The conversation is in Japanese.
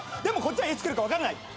でもこっちはいつ来るか分かんない。